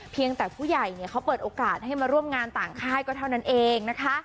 เพียงแต่ผู้ใหญ่เขาเปิดโอกาสให้มาร่วมงานต่างค่ายก็เท่านั้นเองนะคะ